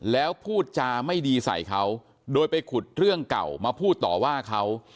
แล้วพูดจาไม่ดีใส่เขาโดยไปขุดเรื่องเก่ามาพูดต่อว่าเขา